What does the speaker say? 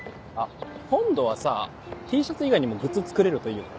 今度はさＴシャツ以外にもグッズ作れるといいよね。